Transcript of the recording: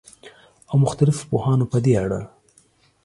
او مختلفو پوهانو په دې اړه